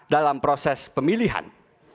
dalam proses pemilihan